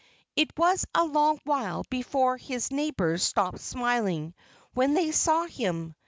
It was a long while before his neighbors stopped smiling when they saw him.